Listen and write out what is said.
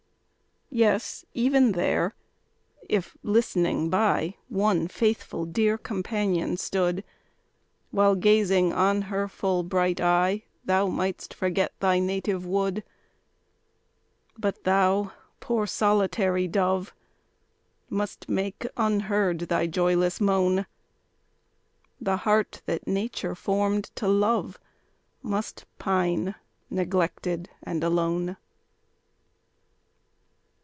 Yes, even there, if, listening by, One faithful dear companion stood, While gazing on her full bright eye, Thou mightst forget thy native wood But thou, poor solitary dove, Must make, unheard, thy joyless moan; The heart that Nature formed to love Must pine, neglected, and alone.